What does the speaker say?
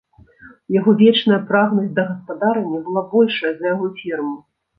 Яго вечная прагнасць да гаспадарання была большая за яго ферму.